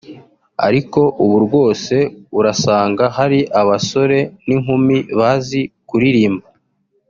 ariko ubu rwose urasanga hari abasore n’inkumi bazi kuririmba